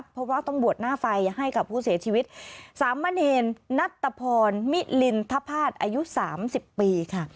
เพราะว่าต้องบวชหน้าไฟให้กับผู้เสียชีวิตสามเมื่อเนรนัตภพรมิลินทภาพอายุสามสิบปีค่ะ